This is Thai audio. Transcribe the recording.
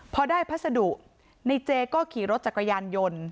พอได้พัสดุในเจก็ขี่รถจักรยานยนต์